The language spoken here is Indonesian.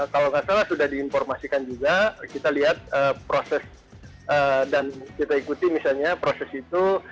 kalau nggak salah sudah diinformasikan juga kita lihat proses dan kita ikuti misalnya proses itu